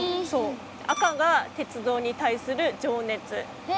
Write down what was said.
赤が鉄道に対する情熱。